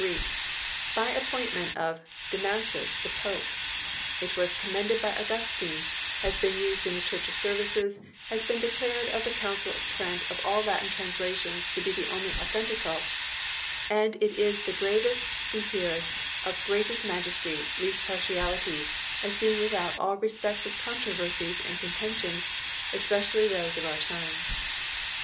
Greek by appointment of Damasus the Pope ; it was commended by Augustine ; has been used in the Church s service ; has been declared of the Council of Trent of all Latin translations to be only authen tical ; and it is the gravest, sincerest, of greatest majesty, least partiality, as being without all respect of controversies and contentions, especially those of our time.